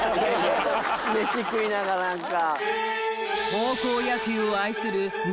飯食いながらなんか。